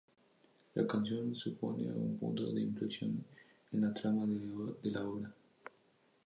La canción supone un punto de inflexión en la trama de la obra.